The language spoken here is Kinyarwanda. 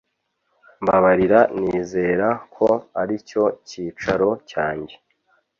Mbabarira Nizera ko aricyo cyicaro cyanjye